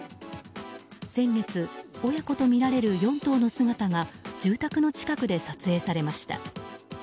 先月、親子とみられる４頭の姿が住宅の近くで撮影されました。